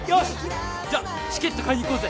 チケット買いに行こうぜ！